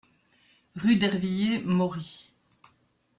Rue d'Ervillers, Mory